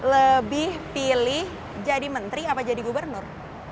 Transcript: lebih pilih jadi menteri atau jadi gubernur